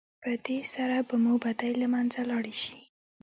په دې سره به مو بدۍ له منځه لاړې شي.